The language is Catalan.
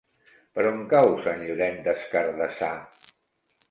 Per on cau Sant Llorenç des Cardassar?